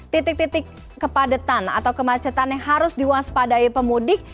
titik titik kepadatan atau kemacetan yang harus diwaspadai pemudik